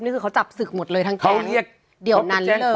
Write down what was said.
นี่คือเขาจับสึกหมดเลยทั้งแกงเดี๋ยวนั้นเรื่อย